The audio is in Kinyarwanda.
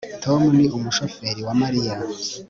Tom ni umushoferi wa Mariya